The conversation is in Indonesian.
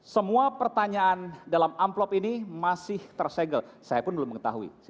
semua pertanyaan dalam amplop ini masih tersegel saya pun belum mengetahui